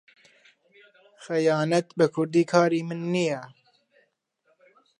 خەیانەت بە کورد کاری من نییە.